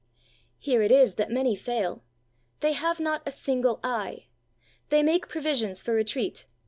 Here it is that many fail; they have not a single eye. They make provisions for retreat.